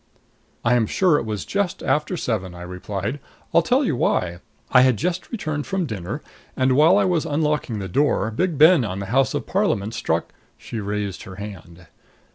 "I am sure it was just after seven," I replied. "I'll tell you why: I had just returned from dinner and while I was unlocking the door Big Ben on the House of Parliament struck " She raised her hand.